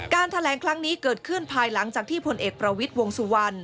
แถลงครั้งนี้เกิดขึ้นภายหลังจากที่พลเอกประวิทย์วงสุวรรณ